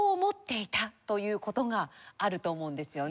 という事があると思うんですよね。